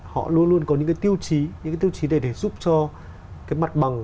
họ luôn luôn có những cái tiêu chí những cái tiêu chí để giúp cho cái mặt bằng